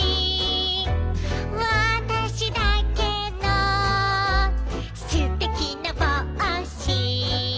「わたしだけのすてきな帽子」